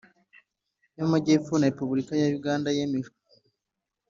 y Amajyepfo na Repubulika ya Uganda yemejwe